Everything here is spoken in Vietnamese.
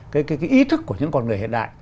cái ý thức của những con người hiện đại